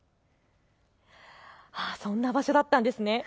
そんな場所だったんですね。